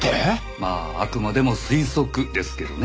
まああくでも推測ですけどね